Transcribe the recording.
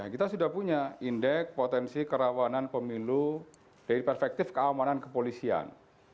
kita sudah punya indeks potensi kerawanan pemilu dari perspektif keamanan kepolisian